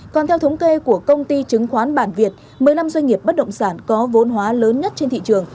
còn theo thống kê của công ty chứng khoán bản việt một mươi năm doanh nghiệp bất động sản có vốn hóa lớn nhất trên thị trường